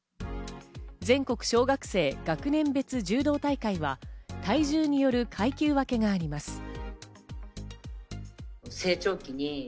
全国小学生学年別柔道大会は体重による階級分けがあります。